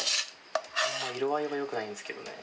色合いはよくないんですけどね。